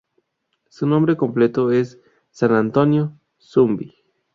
Su nombre completo es San Antonio Zumbi.